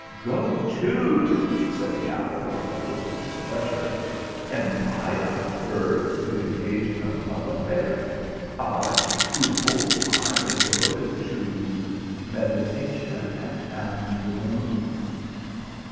" Go to !" said the owl, with a look of displeasure. "Am I a bird to engage in a love affair; I whose whole time is devoted to meditation and the moon